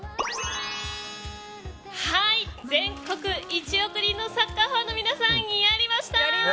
全国１億人のサッカーファンの皆さんやりました！